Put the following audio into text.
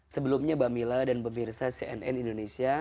sebelumnya mbak mila dan pemirsa cnn indonesia